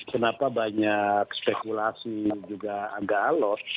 kenapa banyak spekulasi juga agak alot